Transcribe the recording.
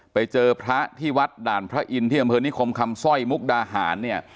ไปเจอพระที่วัดด่านพระอินที่กำเผินนี้คมคำสร้อยมุกดาหาร